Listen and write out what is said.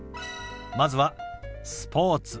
まずは「スポーツ」。